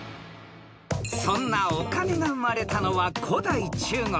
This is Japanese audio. ［そんなお金が生まれたのは古代中国］